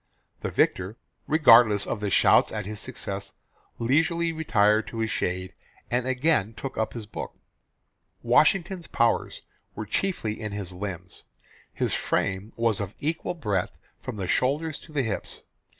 The victor, regardless of shouts at his success, leisurely retired to his shade, and again took up his book. Washington's powers were chiefly in his limbs. His frame was of equal breadth from the shoulders to the hips.